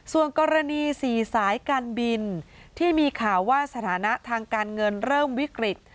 ส่วนกรณี๔สายการบินที่มีข่าวว่าสถานะทางการเงินเริ่มวิกฤต